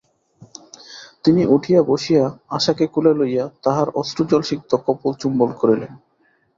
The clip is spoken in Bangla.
তিনি উঠিয়া বসিয়া আশাকে কোলে লইয়া তাহার অশ্রুজলসিক্ত কপোল চুম্বন করিলেন।